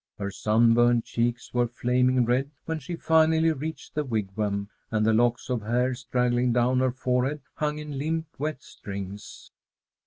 Her sunburned cheeks were flaming red when she finally reached the Wigwam, and the locks of hair straggling down her forehead hung in limp wet strings.